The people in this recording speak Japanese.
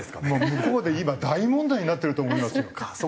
向こうで今大問題になってると思いますよ。